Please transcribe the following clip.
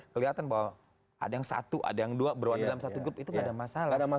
kelihatan bahwa ada yang satu ada yang dua berwarna dalam satu grup itu nggak ada masalah